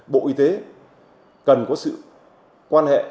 bộ y tế cần có sự quan hệ